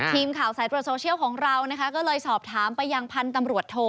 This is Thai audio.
ทีมข่าวสายตรวจโซเชียลของเรานะคะก็เลยสอบถามไปยังพันธุ์ตำรวจโท